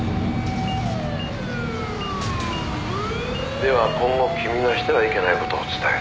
「では今後君がしてはいけない事を伝える」